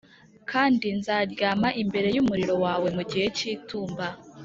kandi nzaryama imbere y'umuriro wawe mu gihe cy'itumba